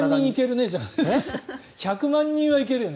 １００万人はいけるね。